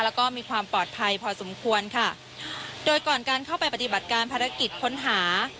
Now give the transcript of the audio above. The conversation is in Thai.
แล้วก็มีความปลอดภัยพอสมควรค่ะโดยก่อนการเข้าไปปฏิบัติการภารกิจค้นหา